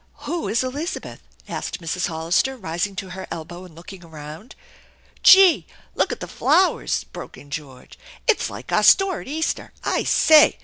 " Who is Elizabeth ?" asked Mrs. Hollister, rising to her elbow and looking around. "Gee! Look at the flowers!'* broke in George. "Itffl like our store at Easter ! I say !